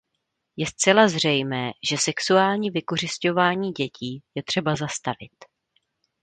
Je zcela zřejmé, že sexuální vykořisťování dětí je třeba zastavit.